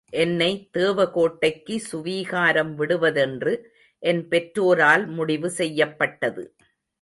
என்னை தேவகோட்டைக்கு சுவீகாரம் விடுவதென்று என் பெற்றோரால் முடிவு செய்யப்பட்டது.